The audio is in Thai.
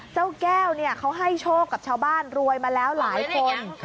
เจ้าแก้วเขาให้โชคกับชาวบ้านรวยมาแล้วหลายคน